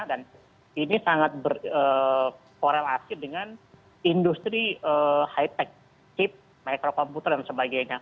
dan ini sangat berkorelasi dengan industri high tech chip mikrokomputer dan sebagainya